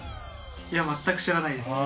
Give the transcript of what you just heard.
いや全く知らないです。